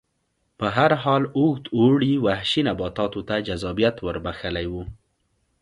په هر حال اوږد اوړي وحشي نباتاتو ته جذابیت ور بخښلی و